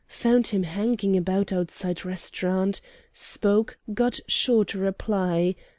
Found him hanging about outside restaurant. Spoke; got short reply.